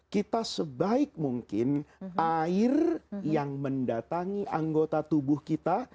kita sebaik mungkin air yang mendatangi anggota tubuh kita